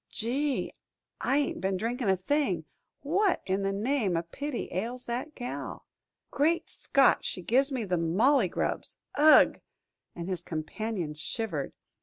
"Gee, I ain't been a drinkin' a thing what in the name o' pity ails that gal!" "Great Scott; she gives me the mauley grubs! Ugh!" and his companion shivered.